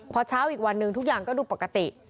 พอเช้าอีกวันหนึ่งทุกอย่างก็ดูปกติ